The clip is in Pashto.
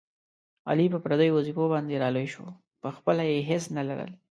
علي په پردیو وظېفو باندې را لوی شو، په خپله یې هېڅ نه لرل.